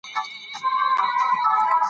زياتره تاريخ ليکونکي دروغ وايي.